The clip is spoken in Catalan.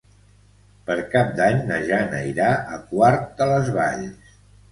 Per Cap d'Any na Jana irà a Quart de les Valls.